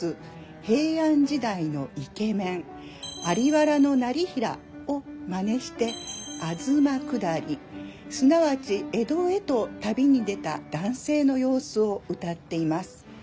平安時代のイケメン在原業平をまねして東下りすなわち江戸へと旅に出た男性の様子を歌っています。